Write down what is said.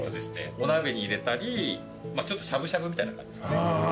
お鍋に入れたりちょっとしゃぶしゃぶみたいな感じですかね。